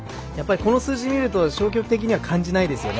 この数字見ると消極的には感じないですよね